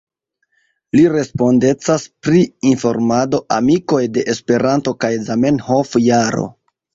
Li respondecas pri informado, Amikoj de Esperanto kaj Zamenhof-Jaro.